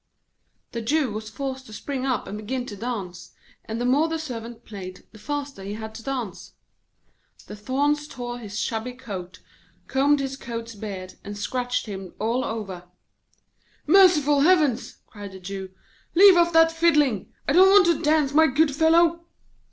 The Jew was forced to spring up and begin to dance, and the more the Servant played, the faster he had to dance. The thorns tore his shabby coat, combed his goat's beard, and scratched him all over. 'Merciful Heavens!' cried the Jew. 'Leave off that fiddling! I don't want to dance, my good fellow.'